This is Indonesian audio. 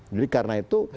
jadi karena itu